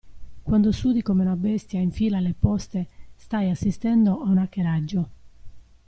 Quando sudi come un bestia in fila alle poste, stai assistendo a un hackeraggio.